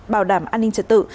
bảo đảm an ninh trật tự